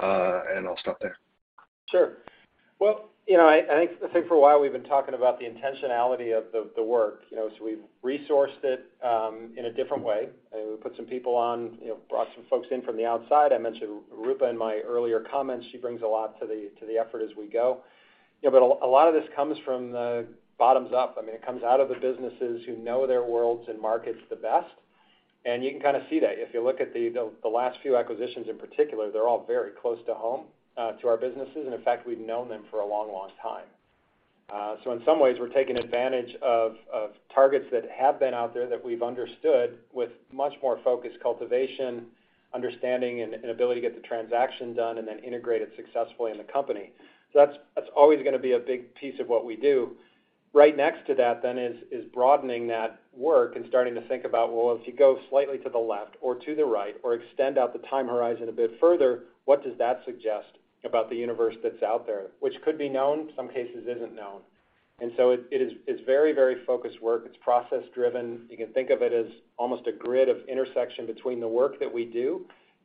I'll stop there. Sure. Well, you know, I think for a while we've been talking about the intentionality of the work, you know, so we've resourced it in a different way. We put some people on, you know, brought some folks in from the outside. I mentioned Roopa in my earlier comments. She brings a lot to the effort as we go. A lot of this comes from the bottom up. I mean, it comes out of the businesses who know their worlds and markets the best. You can kind of see that. If you look at the last few acquisitions in particular, they're all very close to home to our businesses. In fact, we've known them for a long, long time. In some ways, we're taking advantage of targets that have been out there that we've understood with much more focus, cultivation, understanding, and ability to get the transaction done and then integrate it successfully in the company. That's always gonna be a big piece of what we do. Right next to that then is broadening that work and starting to think about, well, if you go slightly to the left or to the right or extend out the time horizon a bit further, what does that suggest about the universe that's out there? Which could be known, some cases isn't known. It is very focused work. It's process-driven. You can think of it as almost a grid of intersection between the work that we do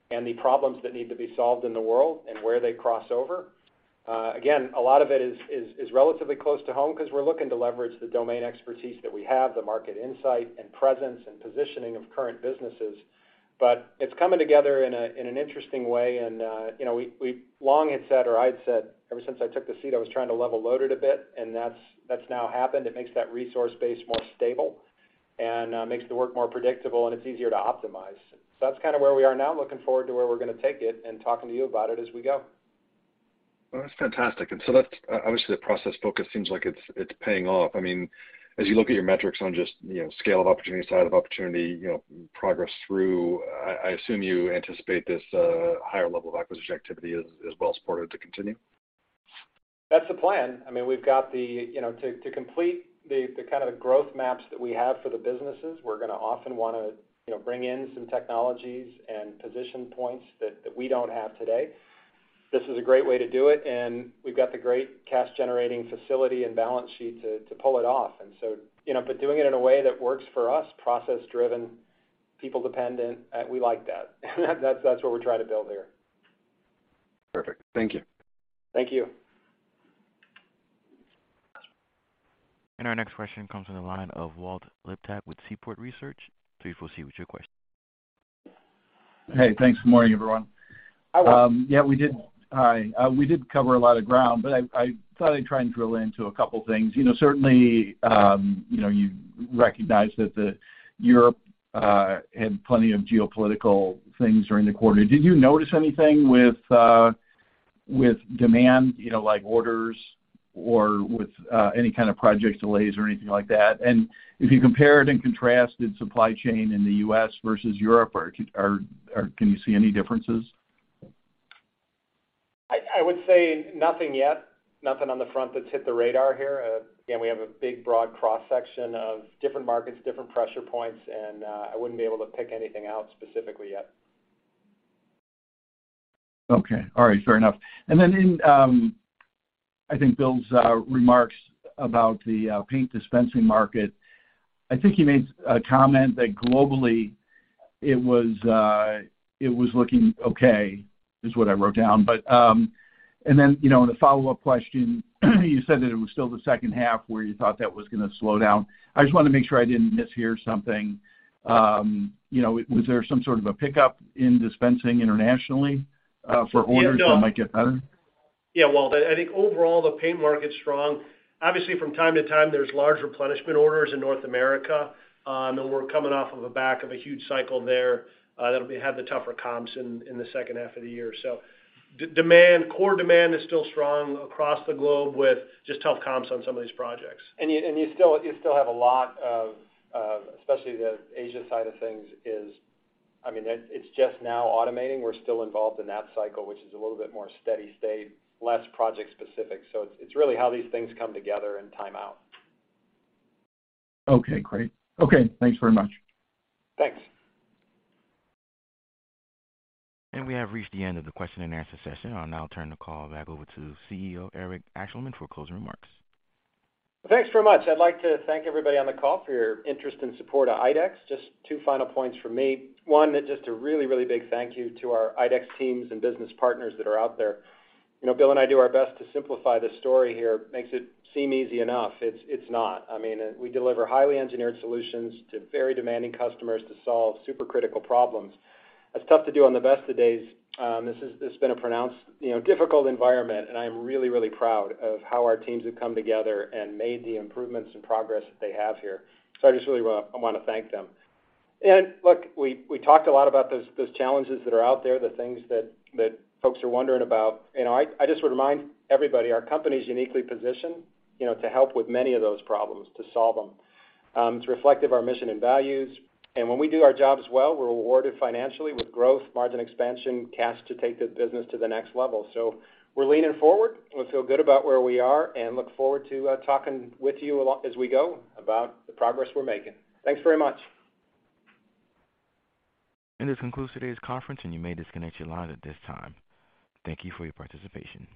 and the problems that need to be solved in the world and where they cross over. Again, a lot of it is relatively close to home 'cause we're looking to leverage the domain expertise that we have, the market insight and presence and positioning of current businesses. It's coming together in an interesting way. You know, we long had said or I'd said ever since I took the seat, I was trying to level load it a bit, and that's now happened. It makes that resource base more stable and makes the work more predictable, and it's easier to optimize. That's kind of where we are now. Looking forward to where we're gonna take it and talking to you about it as we go. Well, that's fantastic. That's obviously the process focus seems like it's paying off. I mean, as you look at your metrics on just, you know, scale of opportunity, size of opportunity, you know, progress through, I assume you anticipate this higher level of acquisition activity as well supported to continue. That's the plan. I mean, we've got the. You know, to complete the kind of growth maps that we have for the businesses, we're gonna often wanna, you know, bring in some technologies and position points that we don't have today. This is a great way to do it, and we've got the great cash-generating facility and balance sheet to pull it off. You know, but doing it in a way that works for us, process-driven, people-dependent, we like that. That's what we're trying to build here. Perfect. Thank you. Thank you. Our next question comes from the line of Walt Liptak with Seaport Research. Please proceed with your question. Hey, thanks. Good morning, everyone. Hi, Walt. Yeah, we did cover a lot of ground, but I thought I'd try and drill into a couple things. You know, certainly, you know, you recognize that Europe had plenty of geopolitical things during the quarter. Did you notice anything with demand, you know, like orders or with any kind of project delays or anything like that? If you compared and contrasted supply chain in the U.S. versus Europe, can you see any differences? I would say nothing yet. Nothing on the front that's hit the radar here. Again, we have a big, broad cross-section of different markets, different pressure points, and I wouldn't be able to pick anything out specifically yet. Okay. All right, fair enough. In, I think, Bill's remarks about the paint dispensing market, I think he made a comment that globally it was looking okay, is what I wrote down. You know, in the follow-up question, you said that it was still the second half where you thought that was gonna slow down. I just wanna make sure I didn't mishear something. You know, was there some sort of a pickup in dispensing internationally for orders that might get better? Yeah, Walt. I think overall, the paint market's strong. Obviously, from time to time, there's large replenishment orders in North America, and we're coming off the back of a huge cycle there, that'll have the tougher comps in the second half of the year. Demand, core demand is still strong across the globe with just tough comps on some of these projects. You still have a lot of, especially the Asia side of things is, I mean, it's just now automating. We're still involved in that cycle, which is a little bit more steady-state, less project-specific. It's really how these things come together and time out. Okay, great. Okay, thanks very much. Thanks. We have reached the end of the question and answer session. I'll now turn the call back over to CEO Eric Ashleman for closing remarks. Thanks very much. I'd like to thank everybody on the call for your interest and support of IDEX. Just two final points from me. One is just a really, really big thank you to our IDEX teams and business partners that are out there. You know, Bill and I do our best to simplify the story here. Makes it seem easy enough. It's, it's not. I mean, we deliver highly engineered solutions to very demanding customers to solve super critical problems. That's tough to do on the best of days. This has been a pronounced, you know, difficult environment, and I am really, really proud of how our teams have come together and made the improvements and progress that they have here. I just really wanna thank them. Look, we talked a lot about those challenges that are out there, the things that folks are wondering about. You know, I just remind everybody, our company is uniquely positioned, you know, to help with many of those problems, to solve them. It's reflective of our mission and values. When we do our jobs well, we're rewarded financially with growth, margin expansion, cash to take the business to the next level. We're leaning forward. We feel good about where we are, and look forward to talking with you a lot as we go about the progress we're making. Thanks very much. This concludes today's conference, and you may disconnect your line at this time. Thank you for your participation.